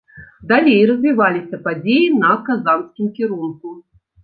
Далей развіваліся падзеі на казанскім кірунку.